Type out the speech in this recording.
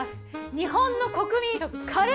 日本の国民食カレー！